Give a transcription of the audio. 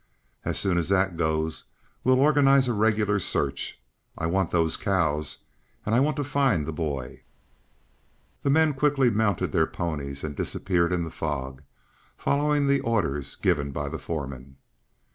As soon as that goes we'll organize a regular search. I want those cows, and I want to find the boy." The men quickly mounted their ponies and disappeared in the fog, following the orders given by the foreman.